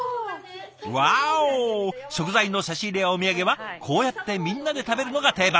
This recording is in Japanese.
食材の差し入れやお土産はこうやってみんなで食べるのが定番。